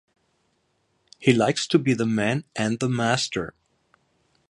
He likes to be the man and the master.